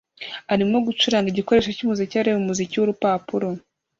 arimo gucuranga igikoresho cyumuziki areba umuziki wurupapuro